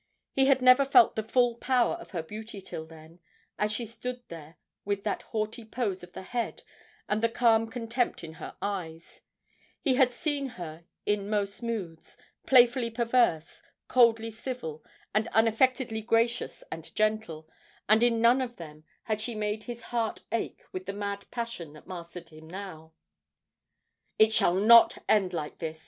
He had never felt the full power of her beauty till then, as she stood there with that haughty pose of the head and the calm contempt in her eyes; he had seen her in most moods playfully perverse, coldly civil, and unaffectedly gracious and gentle and in none of them had she made his heart ache with the mad passion that mastered him now. 'It shall not end like this!'